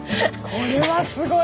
これはすごい！